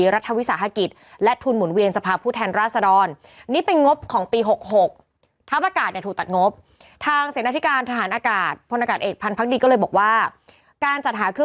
รัฐวิสาหกิจและทุนหมุนเวียงสภาพผู้แทนราสดร